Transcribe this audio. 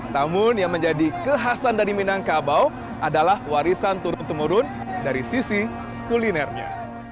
namun yang menjadi kekhasan dari minangkabau adalah warisan turun temurun dari sisi kulinernya